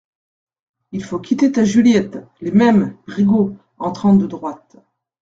Il faut quitter ta Juliette" Les Mêmes, Brigot, entrant de droite.